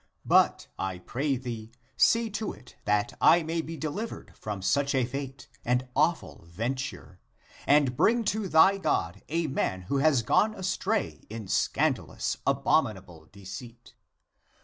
But I pray thee, see to it that I may be delivered from such a fate and awful venture, and bring to thy God a man who has gone astray in scandalous, abominable deceit.